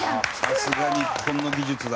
さすが日本の技術だ。